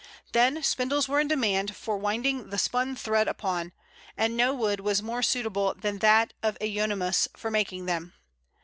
Then spindles were in demand for winding the spun thread upon, and no wood was more suitable than that of Euonymus for making them.